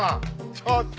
ちょっと。